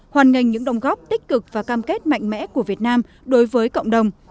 hoàn ngành những đồng góp tích cực và cam kết mạnh mẽ của việt nam đối với cộng đồng